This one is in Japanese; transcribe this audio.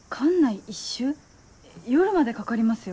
夜までかかりますよ。